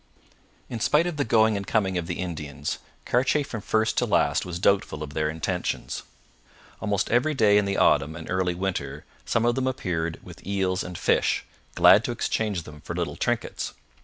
In spite of the going and coming of the Indians, Cartier from first to last was doubtful of their intentions. Almost every day in the autumn and early winter some of them appeared with eels and fish, glad to exchange them for little trinkets.